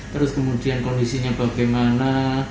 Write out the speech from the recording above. terus kemudian kondisinya bagaimana